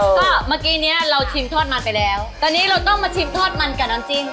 ก็เมื่อกี้เนี้ยเราชิมทอดมันไปแล้วตอนนี้เราต้องมาชิมทอดมันกับน้ำจิ้ม